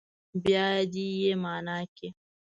بیا دې يې معنا کړي.